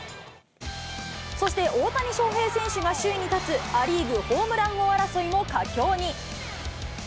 そして、大谷翔平選手が首位に立つア・リーグホームラン王争いも佳境に。